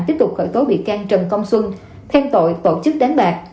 tiếp tục khởi tố bị can trần công xuân theo tội tổ chức đánh bạc